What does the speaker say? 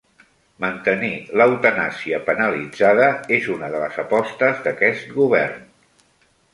Mantenir l'eutanàsia penalitzada és una de les apostes d'aquest govern